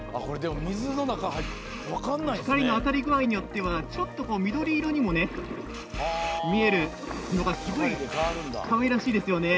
光の当たり具合によってはちょっと緑色にも見えるのがすごいかわいらしいですよね。